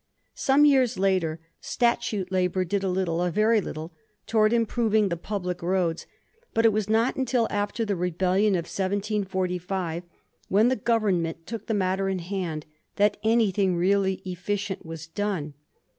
Some years later, statute labour did a little — a very little — ^towards improving the public roads, but it was not imtil after the rebellion of 1745, when the Government took the matter in hand, that anything really efficient was done.